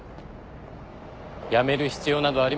やめる必要などありません。